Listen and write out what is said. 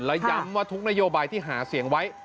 และย้ำว่าทุกนโยบายที่หาเสียงไว้